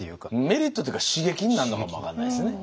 メリットっていうか刺激になるのかも分かんないですね。